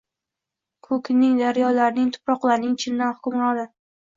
Koʻkning, daryolarning, tuproqlarning chindan hukmroni